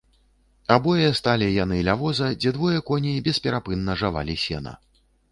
Абое сталі яны ля воза, дзе двое коней бесперапынна жавалі сена.